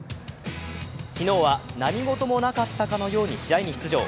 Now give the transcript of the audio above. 昨日は何事もなかったかのように試合に出場。